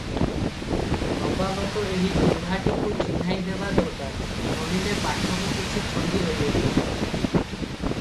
ନବାଗତ ଏହି ବୁଢ଼ାଟିକୁ ଚିହ୍ନାଇଦେବା ଦରକାର, ନୋହିଲେ ପାଠକ କିଛି ଛନ୍ଦି ହେବେ ।